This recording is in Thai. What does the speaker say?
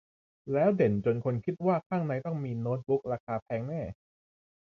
แล้วเด่นจนคนคิดว่าข้างในต้องมีโน๊ตบุ๊กราคาแพงแน่